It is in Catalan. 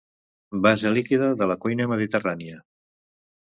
Base líquida de la cuina mediterrània.